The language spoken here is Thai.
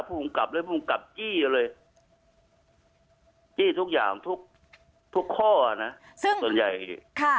ภูมิกับเลยภูมิกับจี้เลยจี้ทุกอย่างทุกทุกข้ออ่ะนะซึ่งส่วนใหญ่ค่ะ